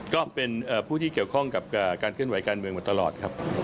ก็เป็นผู้ที่เกี่ยวข้องกับการเคลื่อนไหวการเมืองมาตลอดครับ